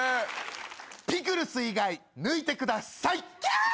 ピクルス以外抜いてください！キャーッ！